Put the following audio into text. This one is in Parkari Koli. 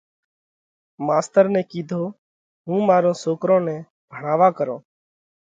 ماستر نئہ ڪِيڌو: هُون مارون سوڪرون نئہ ڀڻاووا ڪرونه؟